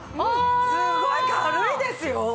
すごい軽いですよ！